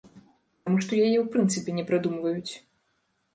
Таму што яе ў прынцыпе не прыдумваюць.